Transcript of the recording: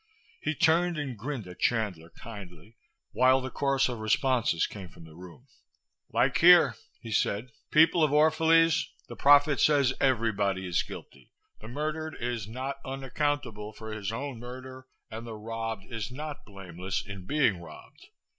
He turned and grinned at Chandler kindly, while the chorus of responses came from the room, "Like here," he said, "people of Orphalese, the Prophet says everybody is guilty. 'The murdered is not unaccountable for his own murder, and the robbed is not blameless in being robbed.